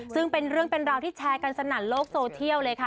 ซึ่งเป็นเรื่องเป็นราวที่แชร์กันสนั่นโลกโซเทียลเลยค่ะ